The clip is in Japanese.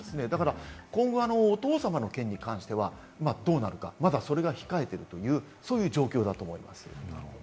今後、お父様の件に関してはどうなるか、まだそれが控えているというそういう状況だと思います。